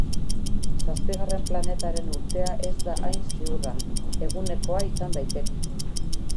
Zazpigarren planetaren urtea ez da hain ziurra, egunekoa izan daiteke.